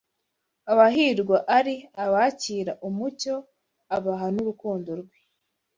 abahirwa ari abakira umucyo abaha n’urukundo rwe